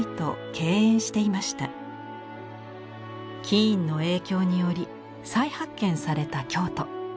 キーンの影響により再発見された京都。